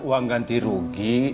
uang ganti rugi